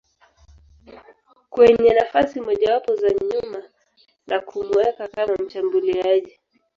kwenye nafasi mojawapo za nyuma na kumuweka kama mshambuliaji